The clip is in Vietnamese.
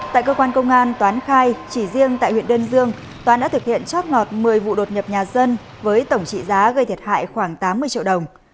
tại cơ quan công an toán khai chỉ riêng tại huyện đơn dương toán đã thực hiện chót lọt một mươi vụ đột nhập nhà dân với tổng trị giá gây thiệt hại khoảng tám mươi triệu đồng